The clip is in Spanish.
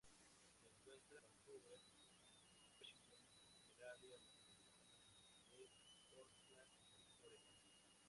Se encuentra en Vancouver, Washington, en el área metropolitana de Portland, Oregón.